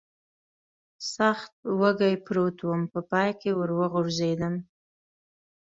سخت وږی پروت ووم، په پای کې ور وغورځېدم.